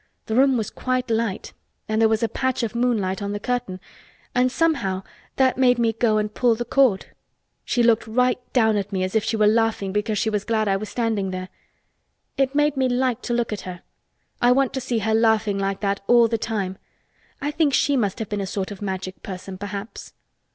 The room was quite light and there was a patch of moonlight on the curtain and somehow that made me go and pull the cord. She looked right down at me as if she were laughing because she was glad I was standing there. It made me like to look at her. I want to see her laughing like that all the time. I think she must have been a sort of Magic person perhaps."